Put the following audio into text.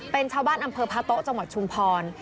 เป็นชาวบ้านอำเภอพะโต๊ะจังหวัดชุมพร